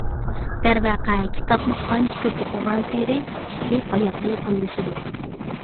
دەرۋەقە كىتابنى قانچە كۆپ ئوقۇغانسېرى كىشى ھاياتقا يېقىنلىشىدۇ.